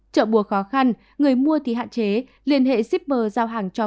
chợ bùa khó khăn người mua thì hạn chế